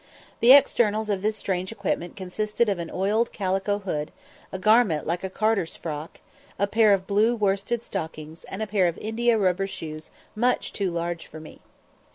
The externals of this strange equipment consisted of an oiled calico hood, a garment like a carter's frock, a pair of blue worsted stockings, and a pair of India rubber shoes much too large for me.